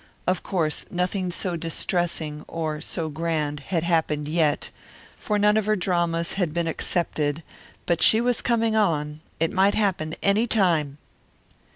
Of course nothing so distressing or so grand had happened yet, for none of her dramas had been accepted; but she was coming on. It might happen any time.